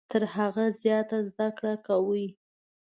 تر هغه زیاته زده کړه کوي .